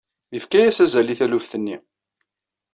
Yefka-yas azal i taluft-nni.